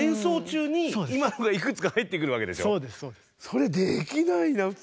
それできないな普通。